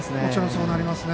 そうなりますね。